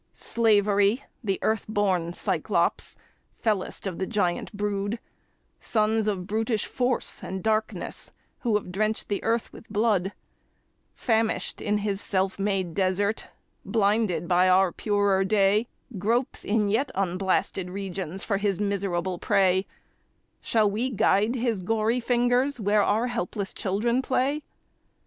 Slavery, the earth born Cyclops, fellest of the giant brood, Sons of brutish Force and Darkness, who have drenched the earth with blood, Famished in his self made desert, blinded by our purer day, Gropes in yet unblasted regions for his miserable prey;— Shall we guide his gory fingers where our helpless children play?